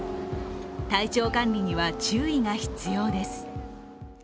体調管理には注意が必要です。